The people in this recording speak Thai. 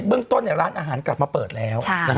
เรื่องต้นร้านอาหารกลับมาเปิดแล้ว